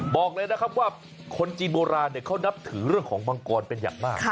บอกเลยนะครับว่าคนจีนโบราณเขานับถือเรื่องของมังกรเป็นอย่างมาก